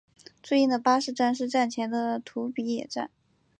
最近的巴士站是站前的土笔野站。